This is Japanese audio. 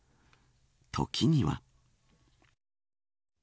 時には。